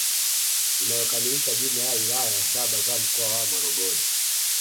Inayokamilisha jumla ya wilaya saba za mkoa wa Morogoro